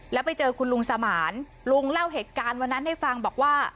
แล้วไปเจอคุณลุงสมานลุงเล่าเหตุการณ์วันนั้นให้ฟังบอกว่า